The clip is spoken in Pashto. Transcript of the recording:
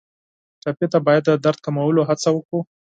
ټپي ته باید د درد کمولو هڅه وکړو.